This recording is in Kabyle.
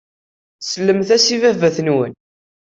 Slemt-as i baba-twent.